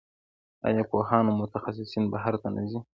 آیا پوهان او متخصصین بهر ته نه ځي؟